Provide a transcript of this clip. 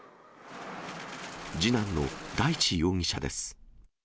次男の大地容疑者です。